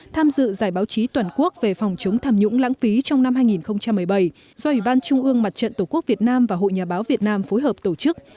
tham dự giải báo chí toàn quốc về phòng chống tham nhũng lãng phí trong năm hai nghìn một mươi bảy do ủy ban trung ương mặt trận tổ quốc việt nam và hội nhà báo việt nam phối hợp tổ chức